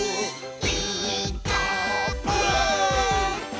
「ピーカーブ！」